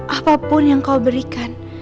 apapun yang kau berikan